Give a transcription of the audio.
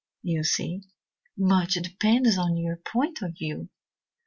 "You see, much depends on your point of view.